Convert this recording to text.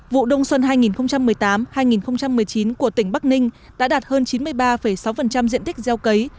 vụ đông xuân hai nghìn một mươi tám hai nghìn một mươi chín của tỉnh bắc ninh đã đạt hơn chín mươi ba sáu diện tích gieo cấy